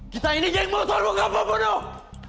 kita ini geng motor bukan pembunuh